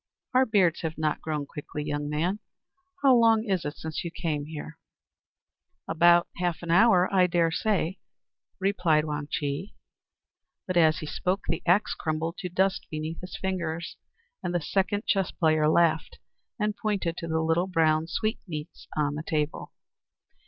"Our beards have not grown quickly, young man. How long is it since you came here?" "About half an hour, I daresay," replied Wang Chih. But as he spoke, the axe crumbled to dust beneath his fingers, and the second chess player laughed, and pointed to the little brown sweetmeats on the table.